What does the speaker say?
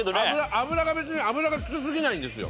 脂が別に脂がきつすぎないんですよ。